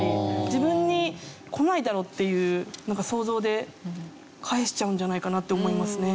自分に来ないだろうっていうなんか想像で返しちゃうんじゃないかなって思いますね。